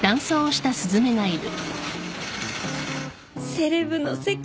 セレブの世界。